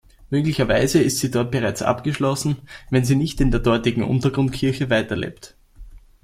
Möglicherweise ist sie dort bereits abgeschlossen, wenn sie nicht in der dortigen Untergrundkirche weiterlebt.